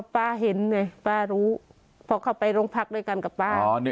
ป้าเห็นเลยป้ารู้พอเข้าไปโรงพักด้วยกันกับป้า